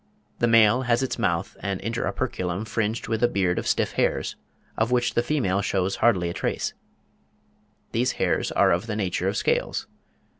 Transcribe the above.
31), the male has its mouth and inter operculum fringed with a beard of stiff hairs, of which the female shows hardly a trace. These hairs are of the nature of scales.